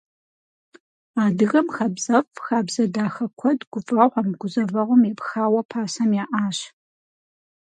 Адыгэм хабзэфӀ, хабзэ дахэ куэд гуфӀэгъуэм, гузэвэгъуэм епхауэ пасэм яӀащ.